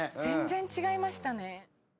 全然違いましたね。